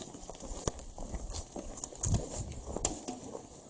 หรอ